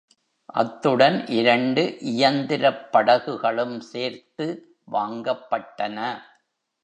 அத்துடன் இரண்டு இயந்திரப் படகுகளும் சேர்த்து வாங்கப்பட்டன.